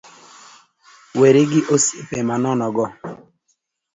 Weri gi osiepe manono go